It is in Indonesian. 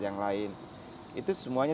yang lain itu semuanya